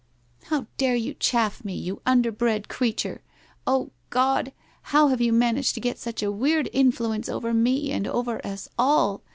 ' How dare you chaff me, you underbred creature ! God ! How have you managed to get such a weird in fluence over me and over us all